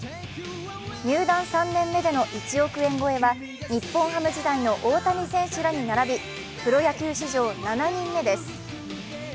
入団３年目での１億円超えは、日本ハム時代の大谷選手らに並びプロ野球史上７人目です。